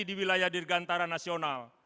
di wilayah dirgantara nasional